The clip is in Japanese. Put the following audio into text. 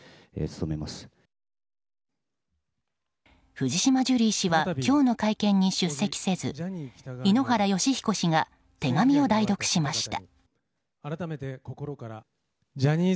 藤島ジュリー氏は今日の会見に出席せず井ノ原快彦氏が手紙を代読しました。